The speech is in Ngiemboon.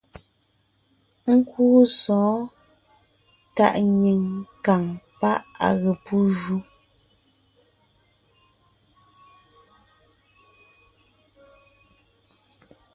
Nkúu sɔ̌ɔn tàʼ nyìŋ kàŋ páʼ à ge pú ju.